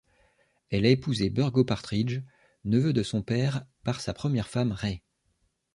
Elle a épousé Burgo Partridge, neveu de son père par sa première femme Ray.